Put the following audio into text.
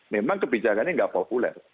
memang kebijakannya nggak populer